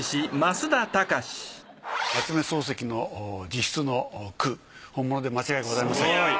夏目漱石の自筆の句本物で間違いございません。